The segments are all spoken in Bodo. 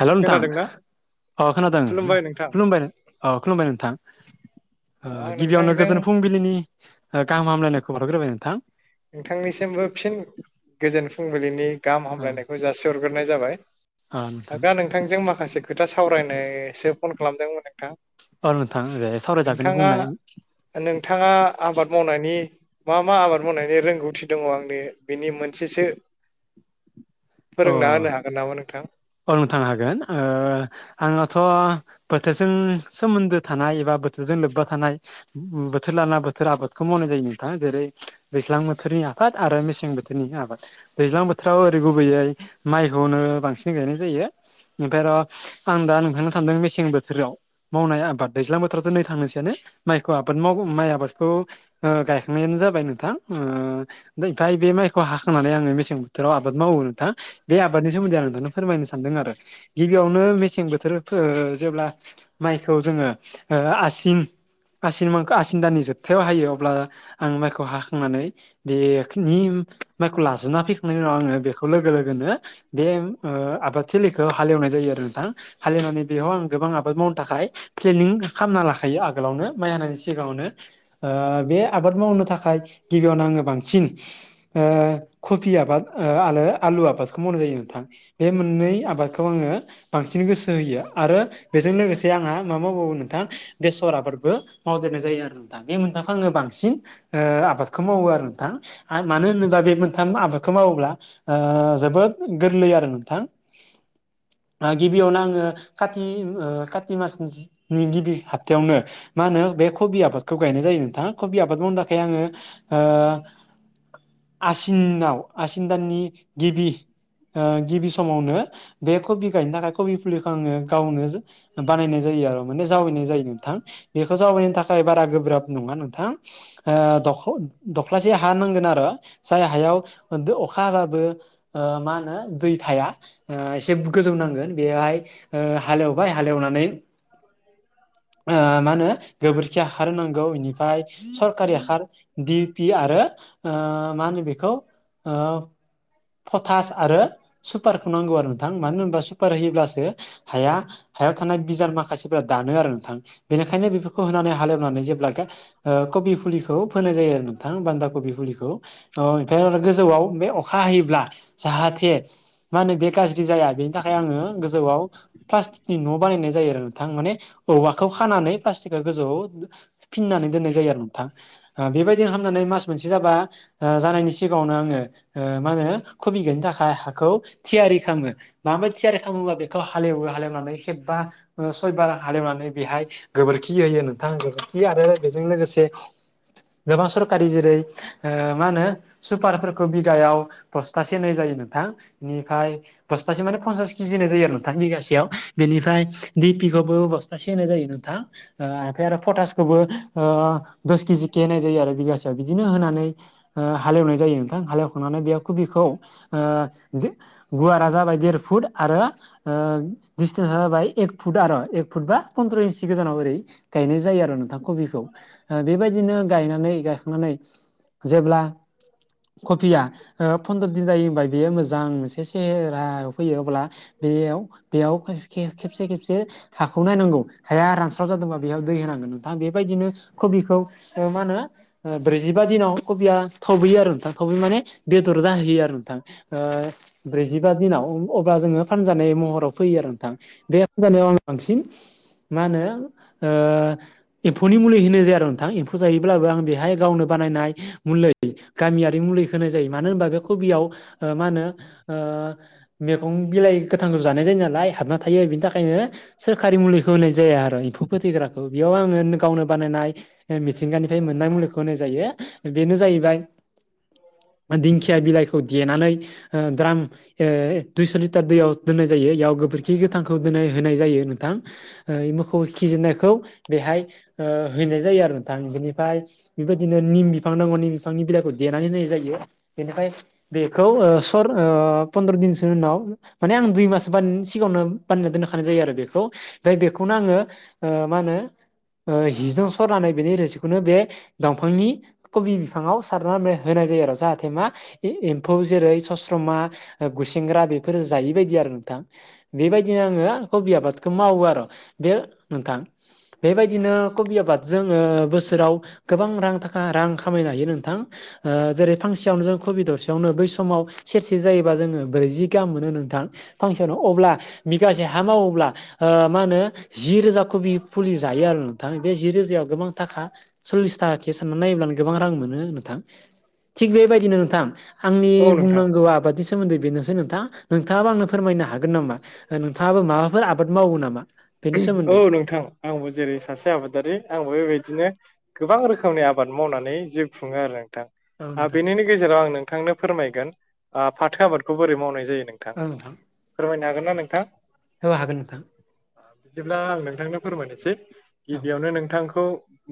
हेल' नोंथां खोनादोंना अ 'खोनादों खुलुमबाय अ 'खुलुमबाय नोंथां ओ अ आं गिबियावनो नोंथांजों गोजोन फुंबिलिनि गाहाम हामलायनायखौ बाहर हरग्रोबाय नोंथां नोंथांनिसिमबो फिन गोजोन फुंबिलिनि गाहाम ओ हामलायनायखौ जासिहरग्रोनाय जाबाय ओ नोंथां दा नों नोंथांजों माखासे खोथा सावरायनोसो फन खालामदोंमोन नोंथां। औ नोंथां सावरायजागोन नोंथाङा बुंनाय नोंथाङा आबाद मावनायनि मा मा आबाद मावनायनि रोंगौथि दङ आंनि बिनि मोनसेसो अ फोरोंना होनो हागोन नामा नोंथां औ नोंथां हागोन आङोथ' बोथोरजों सोमोन्दो थानाय एबा बोथोरजों लोब्बा थानाय बोथोर लाना बोथोर आबादखौ मावनाय जायो नोंथां जेरै दैज्लां बोथोरनि आफबाद आरो मेसें बोथोरनि आबाद दैज्लां बोथोराव ओरै गुबैयै माइखौनो बांसिन गायनाय जायो ओमफ्राय आरो आं दा नोंथांनो सानदों मेसें बोथोराव मावनाय आबाद दैज्लां बोथोरावथ' नै थांनोसैयानो माइखौ आबाद माव माइ आबादखौ गायखांनायानो जाबाय नोंथां ओ ओमफ्राय बे माइखौ हाखांनानै आङो मेसें बोथोराव आबाद मावो नोंथां। बे आबादनि सोमोन्दै आं नोंथांनो फोरमायनो सानदों आरो गिबियावनो मेसें बोथोर ओ जेब्ला - माइखौ जोङो ओ आसिन आसिन मास आसिन दान जोबथायाव हायो अब्ला आं माइखौ हाखांनानै बेनि माइखौ लाजोबना फैखांनायनि उनाव आङो बेखौ लोगो लोगो बे ओ आबाद थिलिखौ हालेवनाय जायो आरो नोंथां। हालेवनानै बेयाव आं गोबां आबाद मावनो थाखाय प्लेनिं खालामना लाखायो आगोलावनो माइ हानायनि सिगाङावनो ओ बे आबाद मावनो थाखाय गिबियावनो आङो बांसिन ओ कफि आबाद आरो आलु आबादखौ मावनाय जायो नोंथां बे मोननै आबादखौ आङो बांसिन गोसो होयो आरो बेजों लोगोसे आंहा मा मावबावो नोंथां बेसर आबादबो मावदेरनाय जायो आरो। बे मोनथामखौ आङो बांसिन आबादखौ मावो आरो नोंथां मानो होनोबा बे मोनथाम आबाद खौ मावोब्ला ओ जोबोद गोरलै आरो नोंथां गिबियावनो आङो काति ओ काति मासनि नि गिबि हाप्थायावनो मा होनो बे कबि आबादखौ गायनाय जायो नोंथाङा कबि आबाद मावनो थाखाय आङो ओ आसिनाव आसिन दाननि गिबि ओ गिबि समावनो बे कबि गायनो थाखाय कबि फुलिखौ आङो गावनो बानायनाय जायो आरो माने जावैनाय जायो नोंथां। बेखौ जावबायनो थाखाय बारा गोब्राब नङा नोंथां। ओ दखर-दख्लासे हा नांगोन आरो जाय हायाव अखा हाबाबो मा होनो दै थाया। एसे गोजौ नांगोन बेवहाय ओ हालेवबाय हालेवनानै [inaudible] मा होनो गोबोरखि हाखार होनांगौ बेनिफ्राय सरखारि हाखार डि पि आरो मा होनो बेखौ फथास आरो सुपारखौ नांगौ आरो नोंथां मानो होनोबा सुपार होयोब्लासो हाया हायाव थानाय बिजार माखासे जेब्ला दानो आरो नोंथां बेनिखायनो बेफोरखौ होनानै हालेवनानै जेब्ला ओ कबि फुलिखौ फोनाय जायो आरो नोंथां बान्दा कबि फुलिखौ ओमफ्राय गोजौआव बे अखा हायोब्ला जाहाथे मा होनो बे गाज्रि जाया बेनि थाखाय आङो गोजौआव फाल्स थिकनि न'आव बानायनाय जायो आरो नोंथां माने औवाखौ खानानै प्लास्टिकआ गोजौआव फिननानै दोननाय जायो आरो नोंथां बेबायदिनो हामनानै मास मोनसे जाबा जानायनि सिगाङावनो आङो ओ मा होनो खबि गायनो थाखाय हाखौ थियारि खालामो माबाय थियारि खालामोबा बेखौ हालेवो हालेवनानै खेबबा ओ सयबार हालेवनानै बेहाय गोबोरखि होयो नोंथाङा गोबोरखि आरो बेजों लोगोसे गोबां सरकारि जेरै मा होनो सुपारफोरखौ बिगायाव पस्थासे नै जायो नोंथां बेनिफ्राय बस्थासे माने पन्सास केजि जायो आरो नोंथां बिगासेयाव। बेनिफ्राय दिपिखौबो बस रासेेन जायो नोंथां ओ आखाइ आरो पटासखौबो दस केजि केे होनाय जायो आरो बिगासेयाव बिदिनो होनानै ओ हालेवनाय जायो नोंथां हालेवखांनानै बे खबिखौ ओ गुवारा जाबाय देर फुट आरो दिसटेन्सा जाबाय एक फुट आरो एक फु बा फन्द्र इन्सि गोजानाव ओरै गायनाय जायो आरो नोंथां कबिखौ। बेबायदिनो गायनानै गायखांनानै जेब्ला कबिया फन्द्र' दिन जायो होनबा बेयो मोजां मोनसे सेहेरायाव फैयो अब्ला बेयाव बेयाव खेबसे खेबसे हाखौ नायनांगौ हाया रानस्राव जादोंबा बेयाव दै होनांगोन। दा बेबायदिनो कबिखौ मा होनो ब्रैजिबा दिनाव कबिया थबैयो आरो नोंथां। थबैयो माने जाहोयो आरो नोंथां। ब्रैजिबा दिनाव अब्ला जोङो फानजानाय महराव फैयो आरो नोंथां। बे हामजानायाव आं बांसिन मा होनो एम्फ'नि मुलि होनो जाया आरो नोंथां एम्फौ जायोब्लाबो आं बेहाय गावनो बानायनाय मुलै गामियारि मुलैखौ होनाय जायो मानो होनबा बे कबियाव मा होनो मैगं बिलाइ गोथां जानाय जायो नालाय हाबना थायो बिनि थाखायनो सोरखारि मुलिखौ होनाय जाया आरो एम्फौ फोथैग्राखौ बेयाव आङो गावनो बानायनाय मिथिंगानिफ्राय मोननाय मुलिखौ होनाय जायो बेनो जाहैबाय दिंखिया बिलाइखौ देनानै द्राम दुइस' लिटार दैयाव दोननाय जायो इयाव गोबोरखि गोथांखौ दोननाय होनाय जायो नोंथां। मोसौ खिजिरनायखौ बेहाय हैनाय जायो आरो नोंथां। बिनिफ्राय बेबायदिनो निम बिफां नांगौ निम बिफांनि बिलाइखौ देनानै होनाय जायो बेनिफ्राय बेखौ सर पन्द्र' दिनसो उनाव माने आं दुइ मास सिगाङावनो बानना दोनखानाय जायो आरो बेखौ ओमफ्राय बेखौनो आङो मा होनो हजों सरनानै बेनि रोसिखौनो बे दंफांनि कबि बिफाङाव सारनानै होनाय जायो आरो जाहाथे मा एम्फौ जेरै स स्रमा, गुमा, गुसेंग्रा बेफोर जायै बायदि आरो नोंथां। बेबायदिनो आङो कबि आबादखौ मावो आरो बेयो नोंथां। बेबायदिनो कबि आबाद जोङो बोसोराव गोबां रां थाखा रां खामायनो हायो नोंथां जेरै फांसे ससेयावनो जों कबि दरसेयावनो बै समाव सेरसे जायोबा जोङो ब्रैजि गाहाम मोनो नोंथां। फांसन अब्ला बिगासे हा मावोब्ला मा होनो जि रोजा खबि फुलि जायो आरो नोंथां बे जि रोजायाव गोबां थाखा सल्लिस थाखा केस होननानै नायोब्लानो गोबां रां मोनो नोंथां, थि बेबायदि नोंथां आंनि औ नोंथां बुंनांगौ आबादि सोमोन्दै बेनोसै नोंथा। नोंथाङाबो आंनो फोरमायनो हागोन नामा? नोंथाङाबो माबाफोर आबाद मावो नामा? बेनि औ सोमोन्दै नोंथां आंबो जेरै सासे आबादारि आंबो बेबायदिनो गोबां रोखोमनि आबाद मावनानै जिउ खुङो आरो नोंथां। औ नोंथां बेनिनि गेजेराव आं नोंथांनो फोरमायगोन फाथो आबादखौ बोरै मावनाय जायो नों औ नोंथां। फोरमायनो हागोनना नोंथां? ओ हागोन नोंथां। बिदिब्ला आं नोंथांनो फोरमायनोसै औ गिबियावनो नोंथांखौ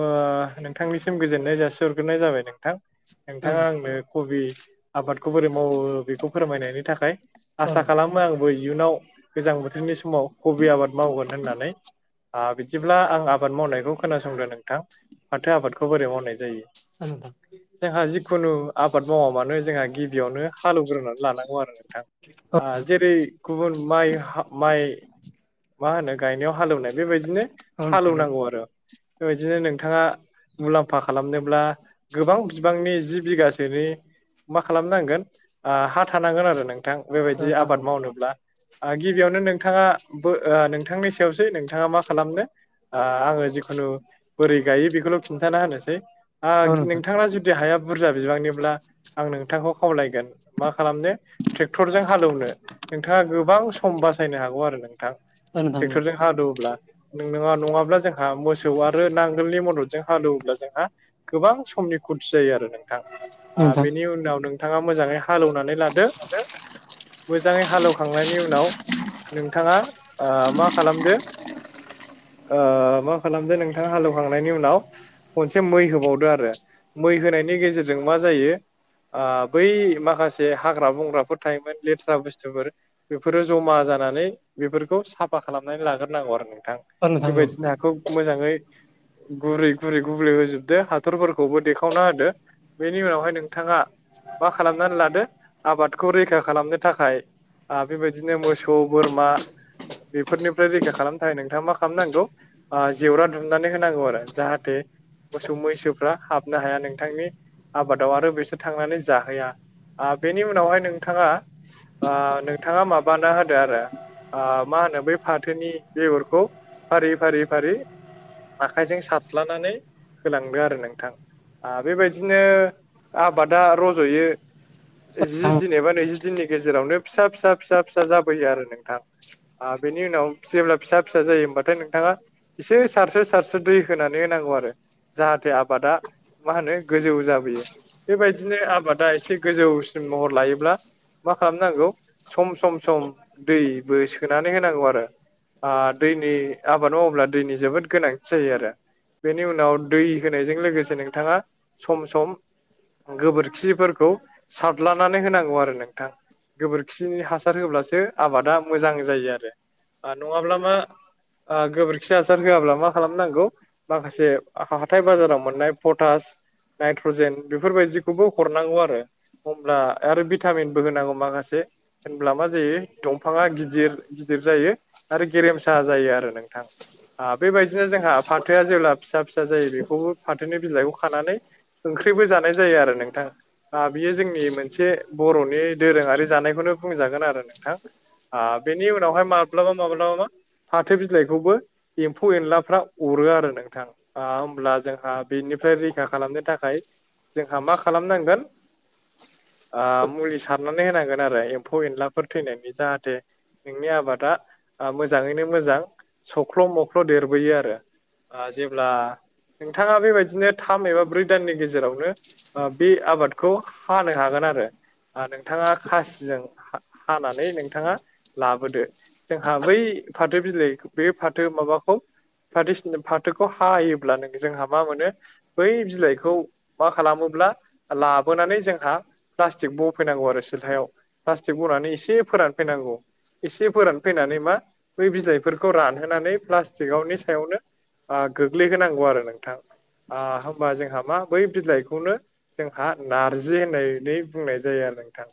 ओ नोंथांनिसिम गोजोननाय जासिहरग्रोनाय जाबाय नोंथां औ नोंथाङा नोंथां आंनो कबि आबादखौ बोरै मावो बेखौ फोरमायनायनि थाखाय औ आसा नोंथां खालाम आंबो इयुनाव गोजां बोथोरनि समाव कबि आबाद मावगोन होननानै बिदिब्ला आं आबाद मावनायखौ खोनासंदो नोंथां माथो आबादखौ बोरै मावनाय जायो। आंथा जोंहा जिखुनु आबाद मावा मानो जोंहा गिबियावनो हालेवग्रोनानै लानांगौ आरो नोंथां। जेरै गुबुन माइ माइ मा होनो गायनायाव हालेवनाय बेबायदिनो औ नोंथां हालौवनांगौ आरो बेबायदिनो नोंथाङा मुलाम्फा खालामनोब्ला गोबां बिबांनि जि बिगासोनि मा खालामनांगोन हा थानांगोन आरो नों नोंथां औ बेबायदि नोंथां आबाद औ मावनोब्ला गिबियावनो नोंथाङा नोंथांनि सायावसै नोंथाङा मा खालामनो ओ आङो जिखुनु बोरै गायो बेखौल' खिन्थाना होनोसै नोंथां औ नोंथां नोंथाङा जुदि जुदि हाया बुरजा बिबांनिब्ला आं नोंथांखौ खावलायगोन मा खालामनो ट्रेक्टरजों हालेवनो नोंथाङा गोबां सम बासायनो हागौ आरो नोंथां औ नोंथां औ ट्रेक्टरजों हादौब्ला नोंङा नङाब्ला जोंहा मोसौ आरो नांगोलनि मददजों हालेवोब्ला जोंहा गोबां समनि खुरथि जायो आरो नोंथां बेनि उनाव नों नोंथाङा मोजाङै हालेवनानै लादो मोजाङै हालेवखांनायनि उनाव नोंथाङा मा ओ खालामदो ओ मा खालामदो नोंथां हालेवखांनायनि उनाव खनसे मै होबावदो आरो मै होनायनि गेजेरजों मा जायो ओ बै माखासे हाग्रा बंग्राफोर थायोमोन लेथ्रा बुस्थुफोर बेफोरो जमा जानानै बेफोर खौ साफा खालामनानै लाग्रोनांगौ आरो नोंथां औ बेबायदिनो नोंथां हाखौ मोजाङै गुरै गुरै गलै होजोबदो हाथरफोरखौबो देखावना होदो बेनि उनावहाय नोंथाङा मा खालामनानै लादो आबादखौ रैखा खालामनो थाखाय आरो बेबायदिनो मोसौ बोरमा बेफोरनिफ्राय रैखा खालामनो थाखाय नोंथाङा मा खालामनांगौ जेवरा दुमनानै होनांगौ आरो जाहाथे मोसौ मैसोफ्रा हाबनो हाया नोंथांनि आबादाव आरो बिसोर थांनानै जाहोया बेनि उनावहाय नोंथाङा ओ नोंथाङा माबाना होदो आरो। मा होनो बै फाथोनि बेगरखौ फारि फारि फारि आखाइजों सार्लानानै होलांदों आरो नोंथां। बेबायदिनो आबादा रज'यो। जि औ दिन एबा नैजि दिननि गेजेरावनो फिसा फिसा फिसा फिसा जाबोयो आरो नोंथां बेनि उनाव जेब्ला फिसा फिसा जायो हबाथाय नोंथाङा एसे सारसो सारसो दै होनानै होनांगौ आरो जाहाथे आबादा मा होनो गोजौ जाबोयो बेबायदिनो आबादा एसे गोजौसिन महर लायोब्ला मा खालामनांगौ सम सम सम दैबो सोनानै होनांगौ आरो ओ दैनि आबाद मावोब्ला दैनि जोबोद गोनांथि जायो आरो बेनि उनाव दै होनायजों लोगोसे नोंथाङा सम सम गोबोरखिफोरखौ सारलानानै होनांगौ आरो नोंथां गोबोरखिनि हासार होब्लासो आबादा मोजां जायो आरो नङाब्ला मा गोबोरखि हासार होआब्ला मा खालामनांगौ माखासे हाथाय बाजाराव मोननाय पटास नाइट्रजेन बेफोरबायदिखौबो हरनांगौ आरो। हमब्ला आरो भिटामिनबो होनांगौ माखासे होनब्ला मा जायो दंफाङा गिदिर गिदिर जायो आरो गेरेमसा जायो आरो नोंथां। बेबायदिनो जोंहा फाथोआ जेब्ला फिसा फिसा जायो बेखौबो फाथोनि बिलाइखौ खानानै ओंख्रिबो जानाय जायो आरो नोंथां आं बियो जोंनि मोनसे बर'नि दोरोङारि जानायखौनो बुंजागोन आरो नोंथां आ बेनि उनावहाय माब्लाबा माब्लाबा मा फाथो बिलाइखौबो एम्फौ एनलाफ्रा अरो आरो नोंथां आमब्ला जोंहा बेनिफ्राय रैखा खालामनो थाखाय जोंहा मा खालामनांगोन ओह मुलि सारनानै होनांगोन आरो एम्फौ एनलाफोर थैनायनि जाहाथे नोंनि आबादा ओह मोजाङैनो मोजां सख्ल' मख्ल' देरबोयो आरो। ओह जेब्ला नोंथाङा बेबायदिनो थाम एबा ब्रै दाननि गेजेरावनो ओह बे आबादखौ हानो हागोन आरो। नोंथाङा खासिजों हा हानानै नोंथाङा लाबोदो जोंहा बै फाथो बिलाइ बे फाथो माबाखौ फाथसिन फाथोखौ हायोब्लानो जोंहा मा मोनो बै बिलाइखौ मा खालामोब्ला लाबोनानै जोंहा प्लास्टिक बफैनांगौ आरो सिलहायाव प्लास्टिक बनानै एसे फोरानफैनांगौ एसे फोरानफैनानै मा बै बिलाइफोरखौ रानहोनानै प्लास्टिकआवनि सायावनो गोग्लैहोनांगौ आरो नोंथां आ होमबा जोंहा मा बै बिलाइखौनो जोंहा नार्जि होननानै बुंनाय जायो आरो नोंथां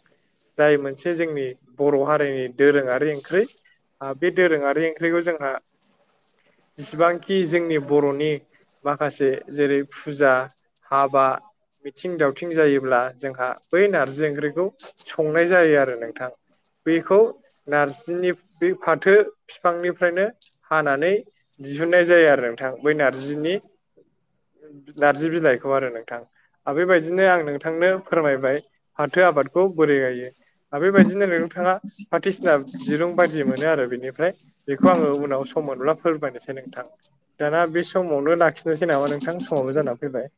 जाय मोनसे जोंनि बर' हारिनि दोरोङारि ओंख्रि बे दोरोङारि ओंख्रिखौ जोंहा जिसिबांखि जोंनि बर'नि माखासे जेरै फुजा हाबा मिथिं दावथिं जायोब्ला जोंहा बै नार्जि ओंख्रिखौ संनाय जायो आरो नोंथां बेखौ नारजिनि बे फाथो बिफांनिफ्रायनो हानानै दिहुननाय जायो आरो नोंथां बै नार्जिनि नार्जि बिलाइखौ आरो नोंथां आबे बेबायदिनो आं नोंथांनो फोरमायबाय फाथो आबादखौ बोरै गायो आबेबायदिनोै नोंथाङा बायदिसिना दिरुं बायदि मोनो आरो बेनिफ्राय बेखौ आङो उनाव सम मोनब्ला फोरमायनोसै नोंथां दाना बे समावनो लाखिनोसै नामा नोंथां समावनो जानानै फैबाय